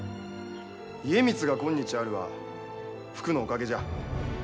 家光が今日あるはふくのおかげじゃ。